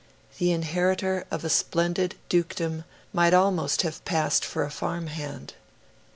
The inheritor of a splendid dukedom might almost have passed for a farm hand.